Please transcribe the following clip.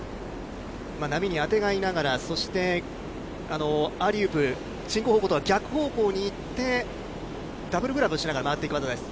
波にあてがいながら、そしてアリウープ、進行方向とは逆方向に行って、ダブルグラブをしながら、回っていく技です。